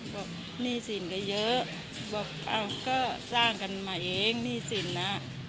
หนี้สินก็เยอะบอกเอ้าก็สร้างกันมาเองหนี้สินแล้ว